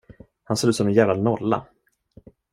Han ser ut som en jävla nolla.